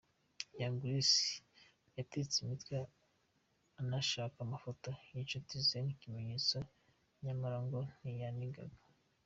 Young Grace yatetse imitwe anashaka amafoto n'inshuti ze nk'ikimenyetso nyamara ngo ntiyanigaga.